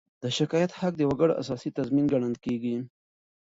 د شکایت حق د وګړو اساسي تضمین ګڼل کېږي.